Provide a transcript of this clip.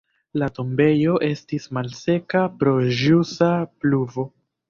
La tombejo estis malseka pro ĵusa pluvo.